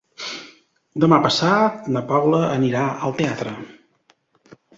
Demà passat na Paula anirà al teatre.